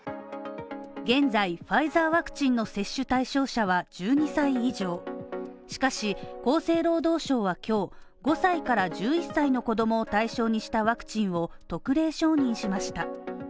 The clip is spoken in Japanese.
現在、ファイザーワクチンの接種対象者は１２歳以上しかし、厚生労働省は今日、５歳から１１歳の子供を対象にしたワクチンを特例承認しました。